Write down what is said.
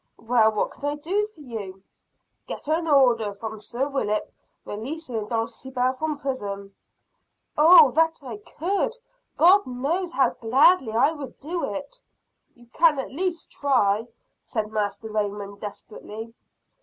"Well what can I do for you?" "Get an order from Sir William releasing Dulcibel from prison." "Oh, that I could! God knows how gladly I would do it." "You can at least try," said Master Raymond desperately.